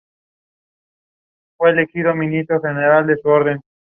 Tiene como sede la ciudad de Caborca, Sonora.